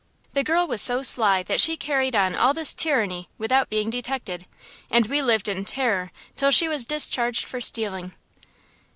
The girl was so sly that she carried on all this tyranny without being detected, and we lived in terror till she was discharged for stealing.